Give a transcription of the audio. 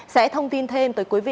sẽ thông tin thêm tới quý vị